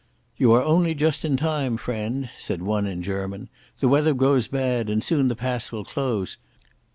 "You are only just in time, friend," said one in German. "The weather grows bad and soon the pass will close.